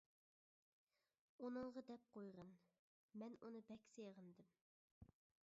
-ئۇنىڭغا دەپ قويغىن، مەن ئۇنى بەك سېغىندىم.